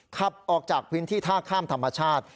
ขับออกจากพื้นที่ท่าข้ามธรรมชาติ